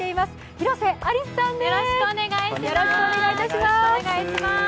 広瀬アリスさんです。